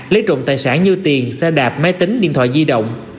lấy trộm tài sản như tiền xe đạp máy tính điện thoại di động